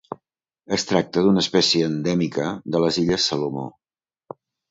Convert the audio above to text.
Es tracta d'una espècie endèmica de les illes Salomó.